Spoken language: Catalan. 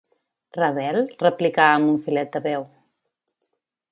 Rebel? —replicà amb un filet de veu—.